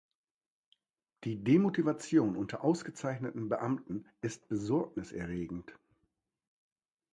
Die Demotivation unter ausgezeichneten Beamten ist besorgniserregend.